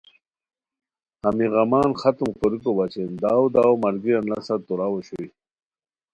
ہمی غمان ختم کوریکو بچین داؤ داؤ ملگیریان نسہ توراؤ اوشوئے